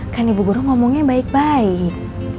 kan ibu guru ngomongnya baik baik